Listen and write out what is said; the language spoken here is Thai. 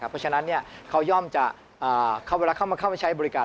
เพราะฉะนั้นเวลาเข้ามาใช้บริการ